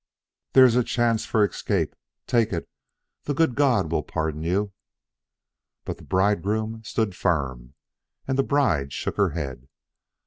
"There is a chance for escape. Take it; the good God will pardon you." But the bridegroom stood firm and the bride shook her head.